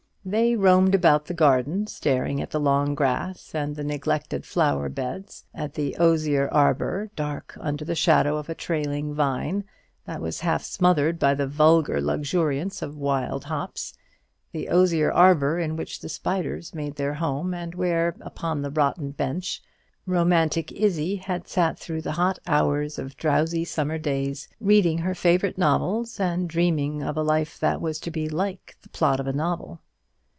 They roamed about the garden, staring at the long grass and the neglected flower beds; at the osier arbour, dark under the shadow of a trailing vine, that was half smothered by the vulgar luxuriance of wild hops, the osier arbour in which the spiders made their home, and where, upon the rotten bench, romantic Izzie had sat through the hot hours of drowsy summer days, reading her favourite novels, and dreaming of a life that was to be like the plot of a novel.